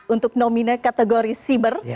untuk nominat kategori cyber